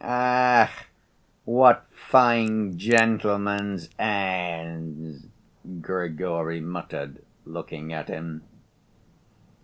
"Ach! What fine gentlemen's airs!" Grigory muttered, looking at him.